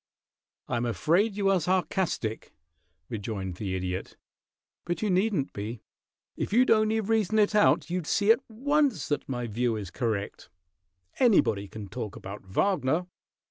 "I am afraid you are sarcastic," rejoined the Idiot. "But you needn't be; if you'd only reason it out you'd see at once that my view is correct. Anybody can talk about Wagner.